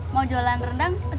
mau jualan rendang